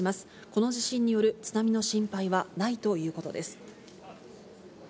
この地震による津波の心配はないということです。